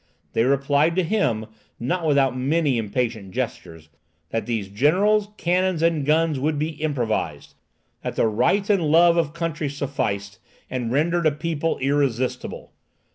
They replied to him, not without many impatient gestures, that these generals, cannons, and guns would be improvised; that the right and love of country sufficed, and rendered a people irresistible.